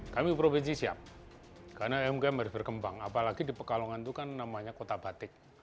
kami provinsi siap karena umkm harus berkembang apalagi di pekalongan itu kan namanya kota batik